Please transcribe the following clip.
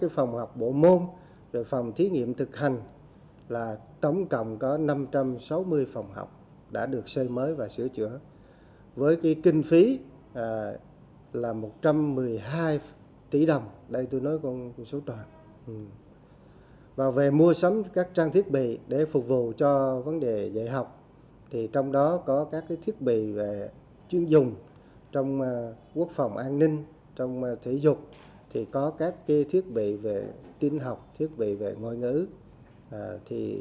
phần lớn các phòng học được xây dựng mới sửa chữa cũng như mua sắm trang thiết bị dạy và học đều ưu tiên cho các trường học trong tỉnh